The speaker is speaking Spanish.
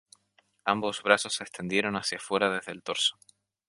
Ambos brazos se extendieron hacia afuera desde el torso.